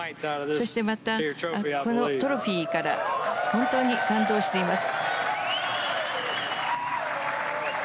そして、またこのトロフィーから本当に感動しています。